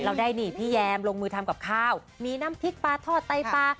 เราได้นี่พี่แยมลงมือทำกับข้าวมีน้ำพริกปลาทอดไตปลา